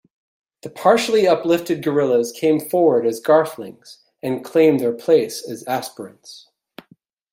The partially uplifted gorillas come forward as Garthlings and claim their place as aspirants...